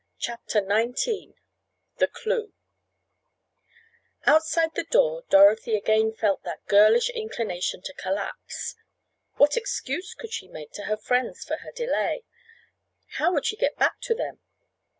CHAPTER XIX THE CLUE Outside the door Dorothy again felt that girlish inclination to collapse. What excuse could she make to her friends for her delay? How would she get back to them?